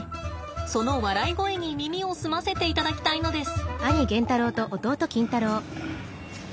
その笑い声に耳を澄ませていただきたいのです。